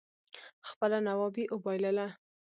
خپله نوابي اوبائلله